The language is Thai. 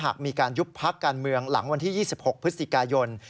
หากมีการยุบพักการเมืองหลังวันที่๒๖พฤศจิกายน